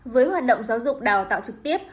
với hoạt động giáo dục đào tạo trực tiếp